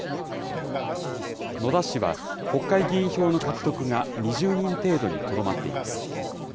野田氏は、国会議員票の獲得が２０人程度にとどまっています。